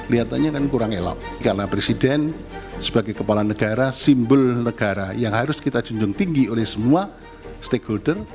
lihatannya kan kurang elok karena presiden sebagai kepala negara simbol negara yang harus kita junjung tinggi oleh semua stakeholder